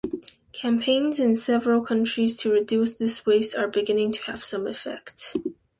Campaigns in several countries to reduce this waste are beginning to have some effect.